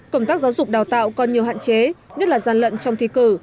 công tác giáo dục đào tạo còn nhiều hạn chế nhất là gian lận trong thi cử